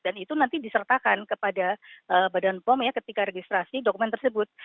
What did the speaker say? dan itu nanti disertakan kepada badan bom ya ketika registrasi dokumen tersebut